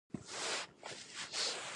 واوره د افغانستان د بشري فرهنګ یوه برخه ده.